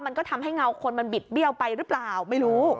มันก็ทำให้เงาคนมันบิดเบี้ยวไปหรือเปล่าไม่รู้